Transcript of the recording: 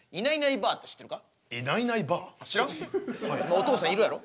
お父さんいるやろ？